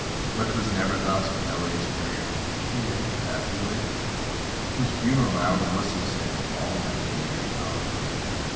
But 'twas never thus with Elias Greer, (Who lately passed away) Whose funeral hour was so sad to all— That community holiday!